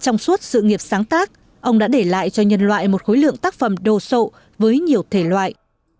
trong suốt sự nghiệp sáng tác ông đã để lại cho nhân loại một khối lượng tác phẩm đồ sộ với nhiều thể loại